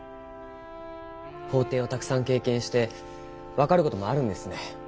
法廷をたくさん経験して分かる事もあるんですね。